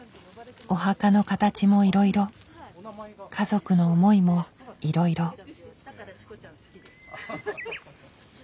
お墓の形もいろいろ家族の思いもいろいろ。